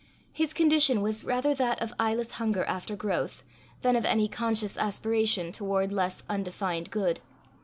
His condition was rather that of eyeless hunger after growth, than of any conscious aspiration towards less undefined good.